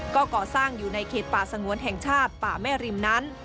ก็ก่อสร้างอยู่ในเขตป่าสงวนแห่งชาติป่าแม่ริมนั้น